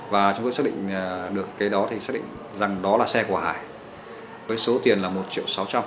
và chúng tôi xác định được cái đó thì xác định rằng đó là xe của hải với số tiền là một triệu sáu trăm linh